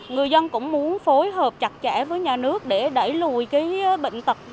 người dân cũng muốn phối hợp chặt chẽ với nhà nước để đẩy lùi cái bệnh tật